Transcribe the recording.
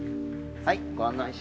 はい。